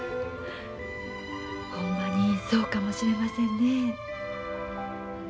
ほんまにそうかもしれませんね。